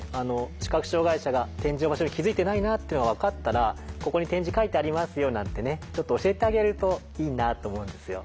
視覚障害者が点字の場所に気付いてないなっていうのが分かったら「ここに点字書いてありますよ」なんてねちょっと教えてあげるといいなと思うんですよ。